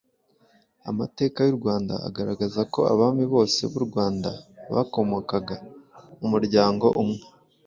Amateka y’u Rwanda agaragaza ko abami bose b’u Rwanda bakomokaga mu muryango umwe